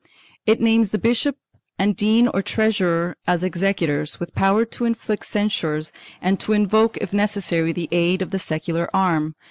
It names the bishop and dean or treasurer as executors, with power to inflict censures and to invoke if necessary the aid of the secular arm.